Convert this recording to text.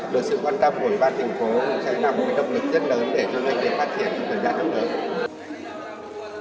được sự quan tâm của ba thành phố sẽ là một động lực rất lớn để cho doanh nghiệp phát triển